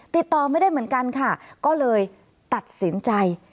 ติดต่อไม่ได้เหมือนกันค่ะก็เลยตัดสินใจ